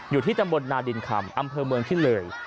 อยู่ที่ตำบลนาดินคำอำเภอเมืองที่เลย